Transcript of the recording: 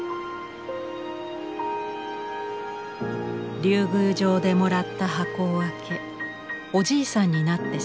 竜宮城でもらった箱を開けおじいさんになってしまった浦島太郎。